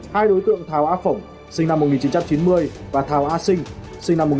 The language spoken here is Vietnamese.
hai đối tượng thảo á phổng sinh năm một nghìn chín trăm chín mươi và thảo á sinh sinh năm một nghìn chín trăm chín mươi bốn